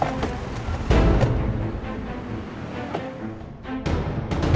hi mana kamu sekarang sih